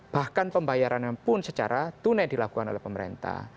bahkan pembayarannya pun secara tunai dilakukan oleh pemerintah